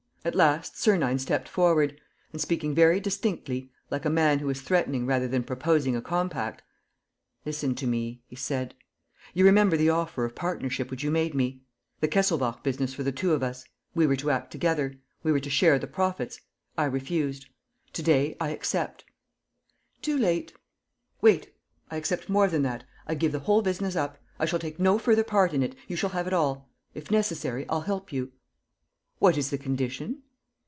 At last, Sernine stepped forward and, speaking very distinctly, like a man who is threatening rather than proposing a compact: "Listen to me," he said. "You remember the offer of partnership which you made me? The Kesselbach business for the two of us ... we were to act together ... we were to share the profits. ... I refused. ... To day, I accept. ..." "Too late." "Wait! I accept more than that: I give the whole business up. ... I shall take no further part in it. ... You shall have it all. ... If necessary, I'll help you." "What is the condition?"